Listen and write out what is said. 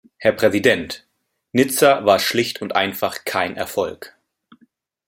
Herr Präsident! Nizza war schlicht und einfach kein Erfolg.